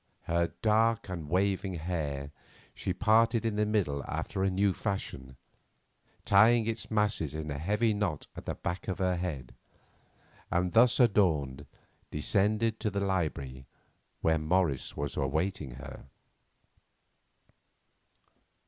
Her dark and waving hair she parted in the middle after a new fashion, tying its masses in a heavy knot at the back of her head, and thus adorned descended to the library where Morris was awaiting her.